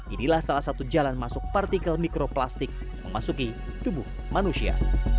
inilah salah satu jalan masuk partikel mikroplastik memasuki tubuh manusia